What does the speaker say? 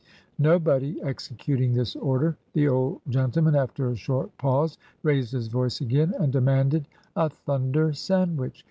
Nobody executing this order, the old gentle man, after a short pause, raised his voice again, and de manded a thunder sandwich.